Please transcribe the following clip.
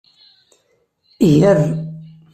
Ger.